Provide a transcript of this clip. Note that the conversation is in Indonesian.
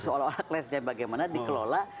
seolah olah kelasnya bagaimana dikelola